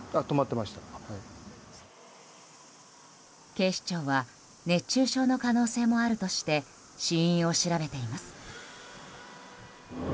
警視庁は熱中症の可能性もあるとして死因を調べています。